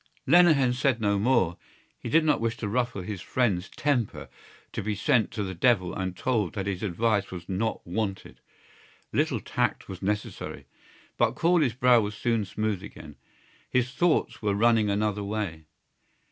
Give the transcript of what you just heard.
Lenehan said no more. He did not wish to ruffle his friend's temper, to be sent to the devil and told that his advice was not wanted. A little tact was necessary. But Corley's brow was soon smooth again. His thoughts were running another way.